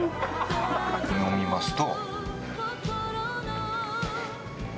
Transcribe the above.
飲みますと。